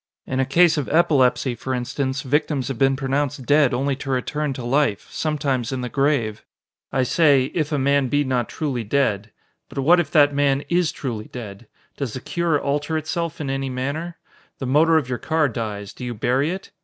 In a case of epilepsy, for instance, victims have been pronounced dead only to return to life sometimes in the grave. "I say 'if a man be not truly dead.' But what if that man is truly dead? Does the cure alter itself in any manner? The motor of your car dies do you bury it?